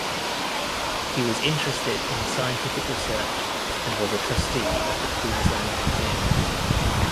He was interested in scientific research and was a trustee of the Queensland Museum.